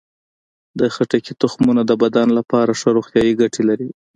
د خټکي تخمونه د بدن لپاره ښه روغتیايي ګټې لري.